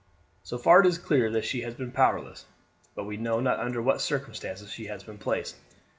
"So far it is clear that she has been powerless; but we know not under what circumstances she has been placed.